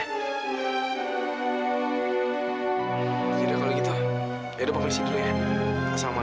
itu ya assalamualaikum